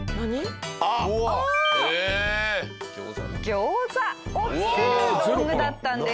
餃子を作る道具だったんです。